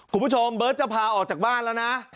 คุณผู้ชมเบิร์ตจะพาออกจากบ้านแล้วนะ